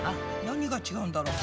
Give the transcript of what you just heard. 何が違うんだろう？